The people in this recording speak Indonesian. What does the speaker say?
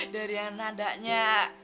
dari yang nadanya